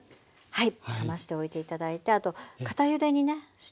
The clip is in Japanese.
はい。